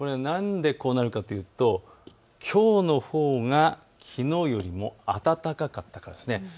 なぜこうなるかというときょうのほうがきのうよりも暖かかったからです。